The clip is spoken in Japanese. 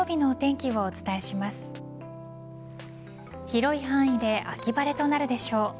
広い範囲で秋晴れとなるでしょう。